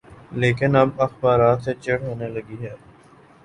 لیکن اب اخبارات سے چڑ ہونے لگی ہے۔